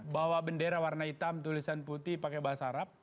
bawa bendera warna hitam tulisan putih pakai bahasa arab